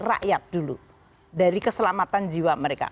rakyat dulu dari keselamatan jiwa mereka